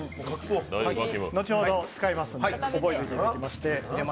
後ほど使いますので覚えておいていただきまして。